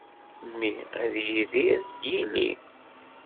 Mmi ad yidir yili.